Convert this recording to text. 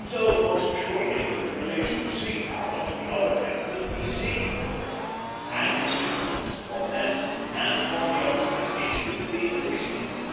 So most surely could the relation of sea power to the other members be seen, and its influence upon them and upon the ultimate issue be appreciated.